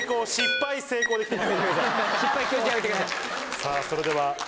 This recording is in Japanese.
さぁそれでは。え？